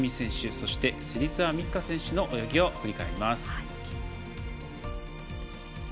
そして芹澤美希香選手の泳ぎを振り返ります。